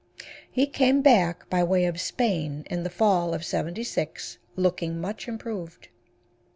He came back by way of Spain, in the fall of '76, looking much improved.